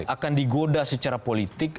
akan digoda secara politik